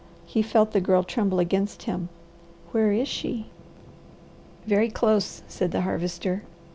He felt the Girl tremble against him. "Where is she?" "Very close," said the Harvester.